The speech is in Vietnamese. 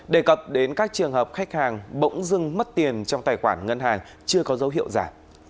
đề cập đến các trường hợp khách hàng bỗng dưng mất tiền trong tài khoản ngân hàng chưa có dấu hiệu giả